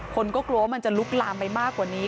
คนก็กลัวว่ามันจะลุกลามไปมากกว่านี้